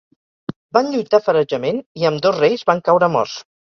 Van lluitar ferotgement, i ambdós reis van caure morts.